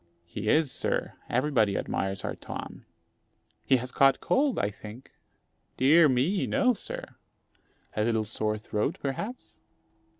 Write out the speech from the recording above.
"He is, sir; everybody admires our Tom." "He has caught cold, I think?" "Dear me! no, sir." "A little sore throat, perhaps?"